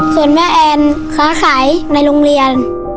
ส่วนแม่แอนค้าขายในโรงเรียน